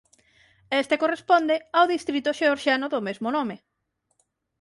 Este corresponde ao distrito xeorxiano do mesmo nome.